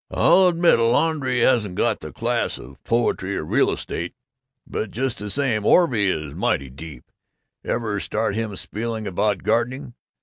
"I'll admit a laundry hasn't got the class of poetry or real estate, but just the same, Orvy is mighty deep. Ever start him spieling about gardening?